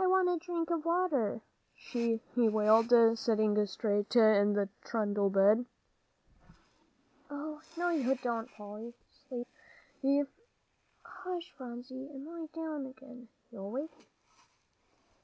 "I want a drink of water," she wailed, sitting straight in the trundle bed. "Oh, no, you don't," said Polly, sleepily. "Hush, Phronsie, and lie down again. You'll wake Mamsie."